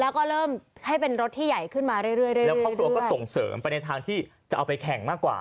แล้วก็เริ่มให้เป็นรถที่ใหญ่ขึ้นมาเรื่อยแล้วครอบครัวก็ส่งเสริมไปในทางที่จะเอาไปแข่งมากกว่า